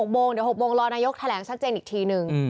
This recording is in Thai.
โมงเดี๋ยว๖โมงรอนายกแถลงชัดเจนอีกทีนึง